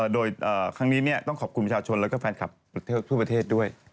โดยครั้งนี้ต้องขอบคุณประชาชนแล้วก็แฟนคลับทั่วประเทศด้วย